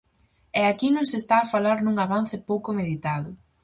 E aquí non se está a falar nun avance pouco meditado!